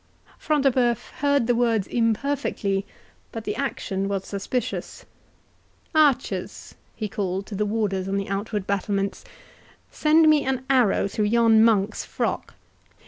Front de Bœuf heard the words imperfectly, but the action was suspicious—"Archers," he called to the warders on the outward battlements, "send me an arrow through yon monk's frock!